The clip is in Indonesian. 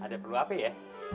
ada perlu apa ya